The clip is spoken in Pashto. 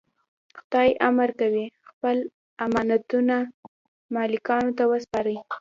خدای امر کوي خپل امانتونه مالکانو ته وسپارئ.